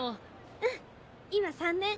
うん今３年。